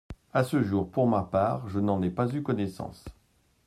À ce jour, pour ma part, je n’en ai pas eu connaissance.